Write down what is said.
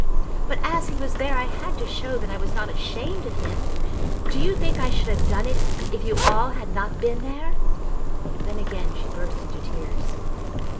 But as he was there I had to show that I was not ashamed of him! Do you think I should have done it if you all had not been there?" Then again she burst into tears.